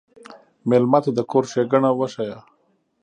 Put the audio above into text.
مېلمه ته د کور ښيګڼه وښیه.